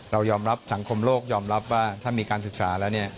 เรายอมรับสังคมโลกยอมรับว่าถ้ามีการศึกษาแล้วเนี่ย